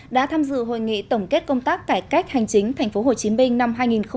đã tham dự hội nghị tổng kết công tác cải cách hành chính tp hcm năm hai nghìn một mươi chín